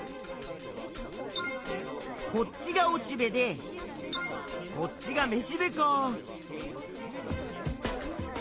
こっちがおしべでこっちがめしべか。